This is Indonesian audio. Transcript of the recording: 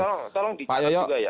tolong dijarak juga ya